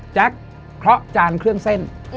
แจ็คเครื่องเครื่องเส้น